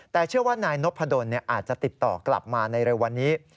แต่เชื่อว่านายนพดลอาจจะติดต่อกลับมาในเร็ววันนี้